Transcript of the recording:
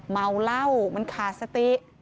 เมาเหล้ามันขาดสติ